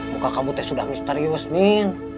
muka kabutnya sudah misterius min